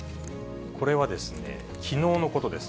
これはきのうのことです。